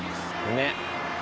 ねっ。